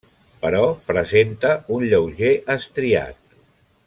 Però presenta un lleuger estriat.